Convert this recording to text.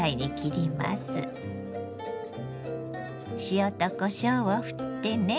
塩とこしょうをふってね。